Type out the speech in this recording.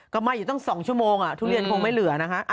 ก็ไหม้อยู่ตั้ง๒ชั่วโมงทุเรียนคงไม่เหลือนะคะ